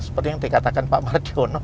seperti yang dikatakan pak mardiono